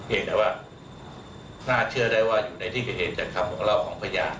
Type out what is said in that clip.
แต่ว่าน่าเชื่อได้ว่าอยู่ในที่เกิดเหตุจากคำบอกเล่าของพยาน